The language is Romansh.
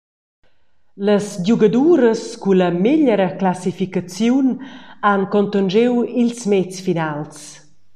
Las giugaduras culla megliera classificaziun han contonschiu ils mezfinals.